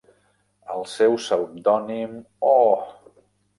El seu pseudònim Oh!